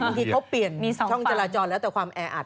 บางทีเขาเปลี่ยนมีช่องจราจรแล้วแต่ความแออัด